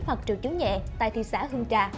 hoặc triệu chứng nhẹ tại thị xã hương trà